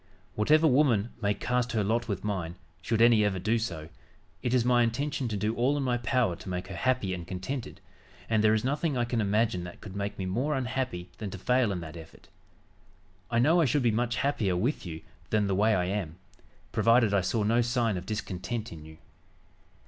Whatever woman may cast her lot with mine, should any ever do so, it is my intention to do all in my power to make her happy and contented, and there is nothing I can imagine that could make me more unhappy than to fail in that effort. I know I should be much happier with you than the way I am, provided I saw no sign of discontent in you.